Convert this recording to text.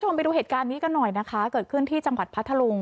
ไปดูเหตุการณ์นี้กันหน่อยนะคะเกิดขึ้นที่จังหวัดพัทธลุง